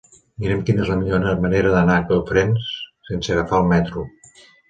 Mira'm quina és la millor manera d'anar a Cofrents sense agafar el metro.